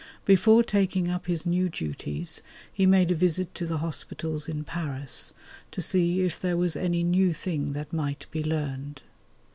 Before taking up his new duties he made a visit to the hospitals in Paris to see if there was any new thing that might be learned.